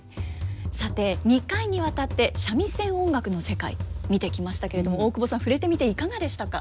さて２回にわたって三味線音楽の世界見てきましたけれども大久保さん触れてみていかがでしたか。